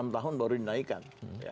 enam tahun baru dinaikan